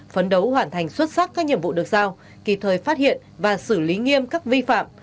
phấn đấu hoàn thành xuất sắc các nhiệm vụ được giao kịp thời phát hiện và xử lý nghiêm các vi phạm